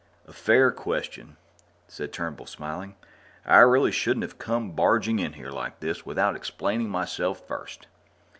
"A fair question," said Turnbull, smiling. "I really shouldn't have come barging in here like this without explaining myself first."